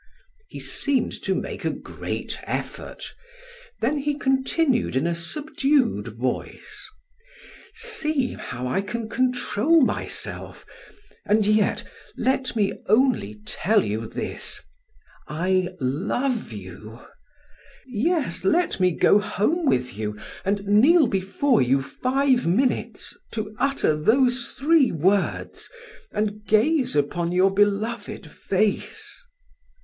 He seemed to make a great effort, then he continued in a subdued voice: "See, how I can control myself and yet let me only tell you this I love you yes, let me go home with you and kneel before you five minutes to utter those three words and gaze upon your beloved face."